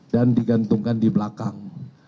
dan digantungkan di belakang